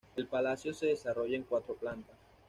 El palacio se desarrolla en cuatro plantas.